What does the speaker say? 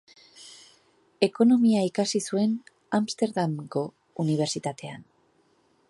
Ekonomia ikasi zuen Amsterdamgo Unibertsitatean.